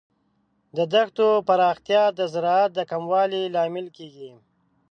د دښتو پراختیا د زراعت د کموالي لامل کیږي.